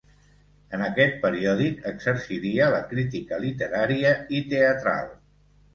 En aquest periòdic exerciria la crítica literària i teatral.